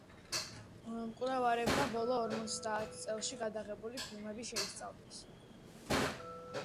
მკვლევარებმა ბოლო ორმოცდაათ წელში გადაღებული ფილმები შეისწავლეს.